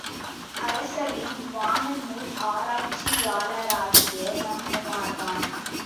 அரசரின் வானநூல் ஆராய்ச்சியாளராகிய நம் உமார்தான்!